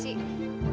jadi mendingan lo